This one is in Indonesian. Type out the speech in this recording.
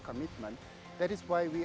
komitmen besar kami